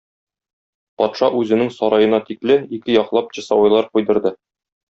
Патша үзенең сараена тикле ике яклап часовойлар куйдырды.